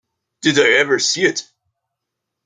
Did I ever see it?